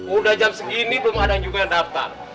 udah jam segini belum ada juga yang daftar